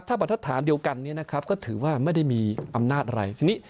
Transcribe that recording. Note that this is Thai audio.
ถ้าบัตรฐานเดียวกันก็ถือว่าไม่ได้มีอำนาจอะไร